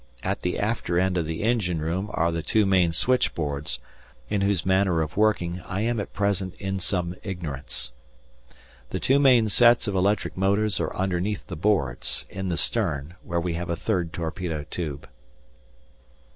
At the after end of the engine room are the two main switchboards, of whose manner of working I am at present in some ignorance. The two main sets of electric motors are underneath the boards, in the stern, where we have a third torpedo tube.